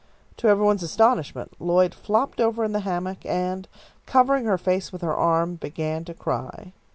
To every one's astonishment, Lloyd flopped over in the hammock, and, covering her face with her arm, began to cry.